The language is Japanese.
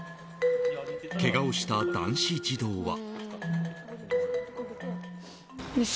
けがをした男子児童は。